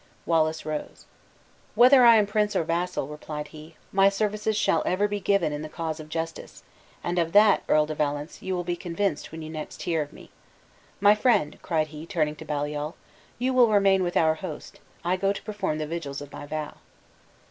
Wallace rose. "Whether I am prince or vassal," replied he, "my services shall ever be given in the cause of justice; and of that, Earl de Valence, you will be convinced when next you hear of me. My friend," cried he, turning to Bruce, "you will remain with our host; I go to perform the vigils of my vow."